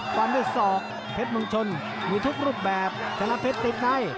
กว่าไม่สอบเพชรมงชนมีทุกรูปแบบชนะเพชรติดใน